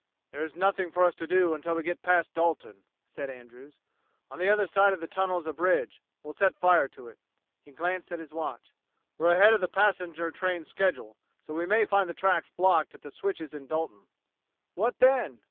"There is nothing for us to do until we get past Dalton," said Andrews. "On the other side of the tunnel is a bridge. We'll set fire to it." He glanced at his watch. "We're ahead of the passenger train's schedule, and we may find the tracks blocked at the switches in Dalton." "What then?"